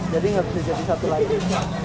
jadi nggak bisa jadi satu lagi